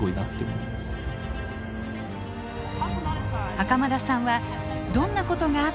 袴田さんはどんなことがあっても大丈夫。